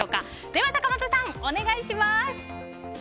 では坂本さん、お願いします。